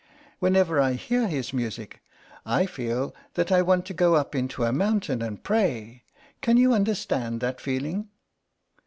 "Whenever I hear his music I feel that I want to go up into a mountain and pray. Can you understand that feeling?"